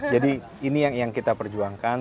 jadi ini yang kita perjuangkan